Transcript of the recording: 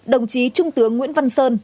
đồng chí trung tướng nguyễn văn sơn